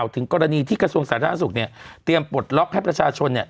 ถึงกรณีที่กระทรวงสาธารณสุขเนี่ยเตรียมปลดล็อกให้ประชาชนเนี่ย